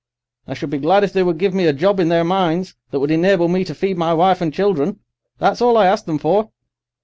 I should be glad if they would give me a job in their mines that would enable me to feed my wife and children. That's all I ask them for!